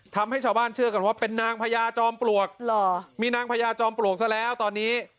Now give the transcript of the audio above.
ทำให้ชาวบ้านเชื่อกันว่าเป็นนางพญาจอมปลวกมีนางพญาจอมปลวกซะแล้วตอนนี้